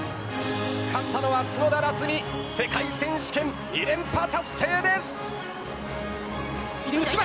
勝ったのは角田夏実世界選手権２連覇達成です。